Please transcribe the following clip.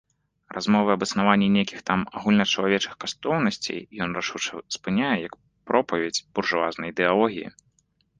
Размовы аб існаванні нейкіх там агульначалавечых каштоўнасцей ён рашуча спыняе як пропаведзь буржуазнай ідэалогіі.